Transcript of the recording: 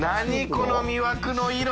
この魅惑の色。